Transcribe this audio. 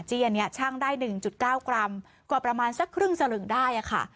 อันนี้ช่างได้๑๙กรัมกว่าประมาณสักครึ่งสลึงได้ค่ะ